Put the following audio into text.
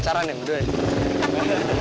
pacaran ya berdua ini